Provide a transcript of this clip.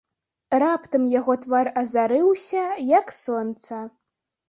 Раптам яго твар азарыўся, як сонца.